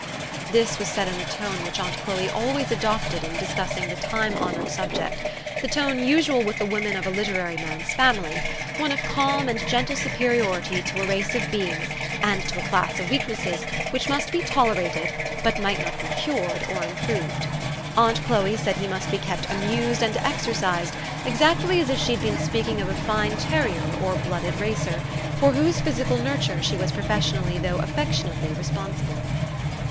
This was said in the tone which aunt Chloe always adopted in discussing this time honored subject, the tone usual with the women of a literary man's family ; one of calm and gentle superiority to a race of beings, and to a class of weaknesses, which must be. tolerated, but might not be cured or improved. Aunt Chloe said he must be kept amused and ex ercised, exactly as if she had been speaking of a fine terrier or blooded racer, for whose physical nurture she was professionally though affectionately respon sible.